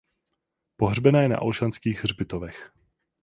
Pohřbena je na Olšanských hřbitovech.